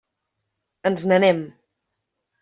Ens n'anem.